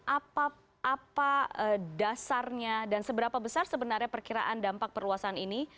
apa dasarnya dan seberapa besar sebenarnya perkiraan dampak perluasan ini